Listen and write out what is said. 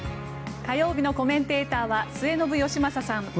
火曜日のコメンテーターは末延吉正さん。